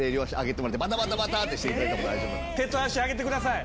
手と足上げてください。